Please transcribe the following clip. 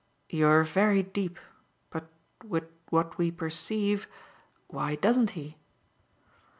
"You're very deep, but with what we perceive why doesn't he?"